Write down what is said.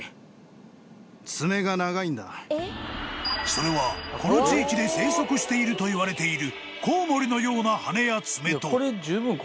［それはこの地域で生息しているといわれている］